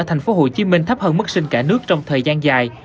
thành phố hồ chí minh thấp hơn mức sinh cả nước trong thời gian dài